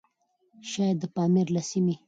شايد د پامير له سيمې؛